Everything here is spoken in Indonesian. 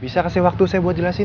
bisa kasih waktu saya buat jelasin